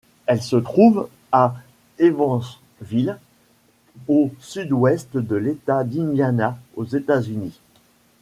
Elle se trouve à Evansville, au sud-ouest de l'État d'Indiana aux États-Unis.